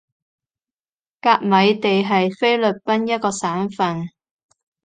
甲米地係菲律賓一個省份